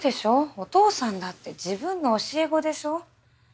お父さんだって自分の教え子でしょ？